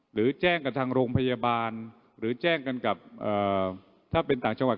หรือแจ้งกับทางโรงพยาบาลหรือแจ้งกันกับถ้าเป็นต่างจังหวัด